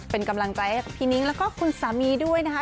เป็นกำลังใจให้พี่นิ้งแล้วก็คุณสามีด้วยนะคะ